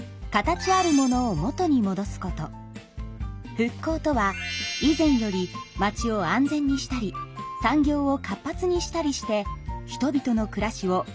復興とは以前より町を安全にしたり産業を活発にしたりして人々の暮らしをよりよくすることです。